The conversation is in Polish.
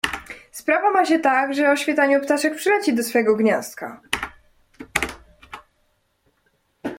"Sprawa ma się tak, że o świtaniu ptaszek przyleci do swego gniazdka."